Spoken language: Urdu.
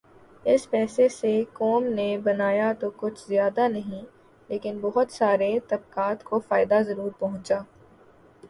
اس پیسے سے قوم نے بنایا تو کچھ زیادہ نہیں لیکن بہت سارے طبقات کو فائدہ ضرور پہنچا۔